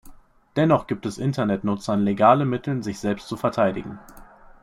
Dennoch gibt es Internetnutzern legale Mittel, sich selbst zu verteidigen.